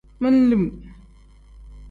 Men-lim.